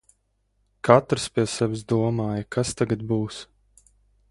Katrs pie sevis domāja kas tagad būs?